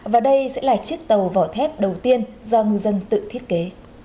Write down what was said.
và đây sẽ là chiếc tàu vỏ thép đầu tiên do ngư dân tự thiết kế